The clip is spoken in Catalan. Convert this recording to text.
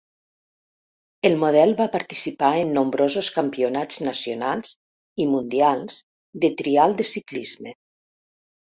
El model va participar en nombrosos campionats nacionals i mundials de trial de ciclisme.